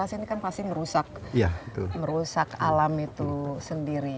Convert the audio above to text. tapi sekarang pasti merusak alam itu sendiri